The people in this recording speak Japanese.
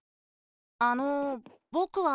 あのぼくは。